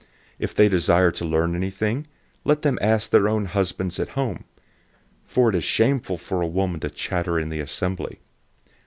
014:035 If they desire to learn anything, let them ask their own husbands at home, for it is shameful for a woman to chatter in the assembly.